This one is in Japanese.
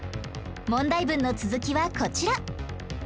問題文の続きはこちら